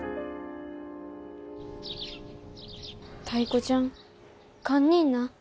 タイ子ちゃん堪忍な。